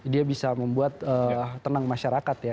dia bisa membuat tenang masyarakat ya